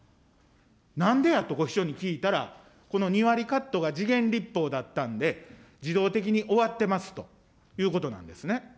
なんでやと、秘書に聞いたら、この２割カットが時限立法だったんで、自動的に終わってますということなんですね。